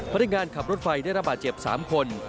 พนักงานขับรถไฟได้ระบาดเจ็บ๓คน